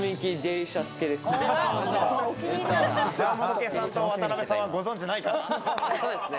ジャンポケさんと渡邊さんはご存じないかな？